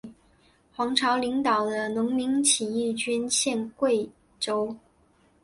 黄巢领导的农民起义军陷桂州。